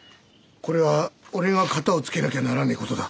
これは俺が片をつけなきゃならねえ事だ。